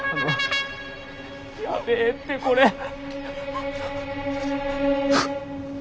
やべぇってこれ。